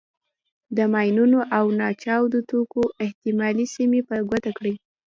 د ماینونو او ناچاودو توکو احتمالي سیمې په ګوته کړئ.